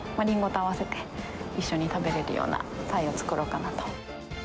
リンゴと合わせて、一緒に食べれるようなパイを作ろうかなと。